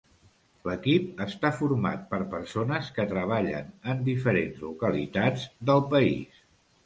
L'equip està format per persones que treballen en diferents localitats del país.